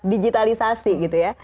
digitalisasi gitu ya